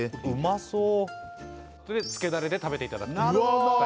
それでつけだれで食べていただくとなるほど！